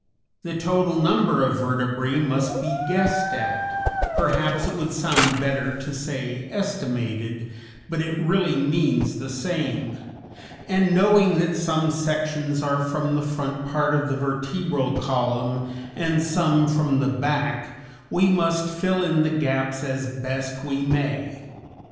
The total number of vertebræ must be guessed at (perhaps it would sound better to say estimated, but it really means the same), and knowing that some sections are from the front part of the vertebral column and some from the back, we must fill in the gaps as best we may.